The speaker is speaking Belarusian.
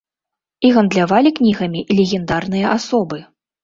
І гандлявалі кнігамі легендарныя асобы.